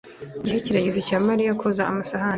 Igihe kirageze cya Mariya koza amasahani.